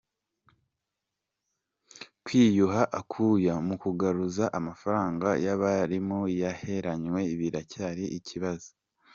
kwiyuha akuya mu kugaruza amafaranga y’abarimu yaheranywe biracyari ikibazo